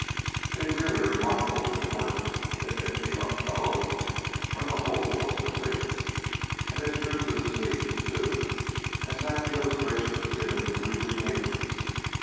"A really remarkable bit of work," admitted the young fellow when the whole was completed. "And as true to the scene, too, as half the illustrations given in the weekly papers.